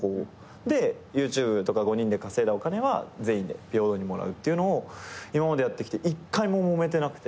でＹｏｕＴｕｂｅとか５人で稼いだお金は全員で平等にもらうっていうのを今までやってきて１回ももめてなくて。